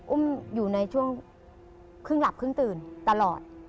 อุ้มอยู่ในช่วงครึ่งหลับครึ่งตื่นตลอด